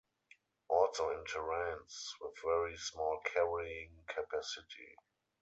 Also in terrains with very small carrying capacity.